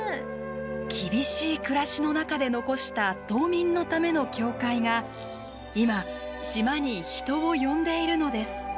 厳しい暮らしの中で残した島民のための教会が今島に人を呼んでいるのです。